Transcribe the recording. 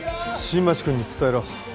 新町くんに伝えろ